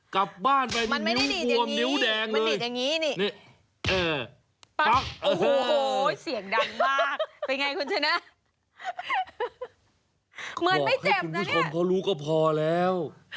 กลับบ้านไปนิ้วคว่ำนิ้วแดงเลย